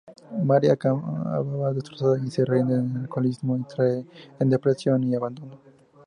Mary acaba destrozada y se rinde al alcoholismo, y cae en depresión y abandono.